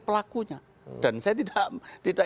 pelakunya dan saya tidak